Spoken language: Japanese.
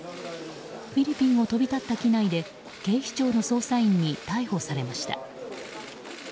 フィリピンを飛び立った機内で警視庁の捜査員に逮捕されました。